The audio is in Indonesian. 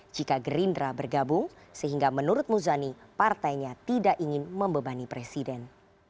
jika gerindra bergabung sehingga menurut muzani partainya tidak ingin membebani presiden